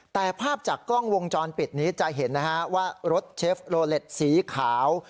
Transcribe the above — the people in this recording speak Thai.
แต่ภาพจากกล้องวงจรปิดนี้จะเห็นนะฮะว่ารถเชฟโลเล็ตสีขาว